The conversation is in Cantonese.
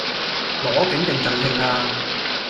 攞景定贈慶呀